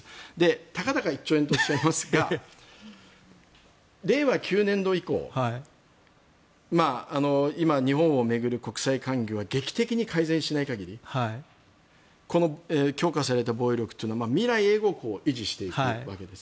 たかだか１兆円とおっしゃいますが令和９年度以降今、日本を巡る国際環境が劇的に改善しない限りこの強化された防衛力というのは未来永劫維持していくわけです。